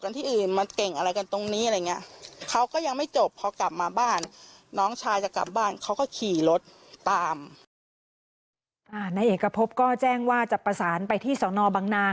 นายเอกพบก็แจ้งว่าจะประสานไปที่สนบังนา